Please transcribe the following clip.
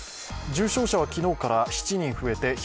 重症者は昨日から７人増えて